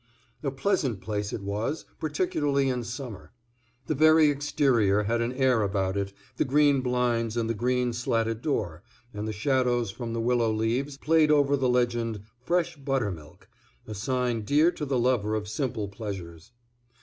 A pleasant place it was, particularly in summer. The very exterior had an air about it, the green blinds and the green slatted door, and the shadows from the willow leaves playing over the legend "Fresh Buttermilk," a sign dear to the lover of simple pleasures.